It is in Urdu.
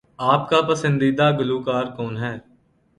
آپ کا پسندیدہ گلوکار کون ہے؟